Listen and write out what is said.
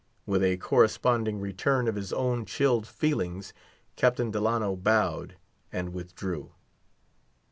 With a corresponding return of his own chilled feelings, Captain Delano bowed and withdrew.